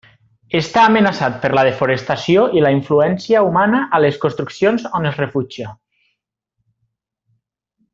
Està amenaçat per la desforestació i la influència humana a les construccions on es refugia.